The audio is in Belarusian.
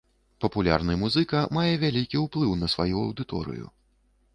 Папулярны музыка мае вялікі ўплыў на сваю аўдыторыю.